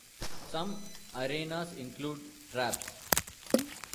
Some arenas include traps.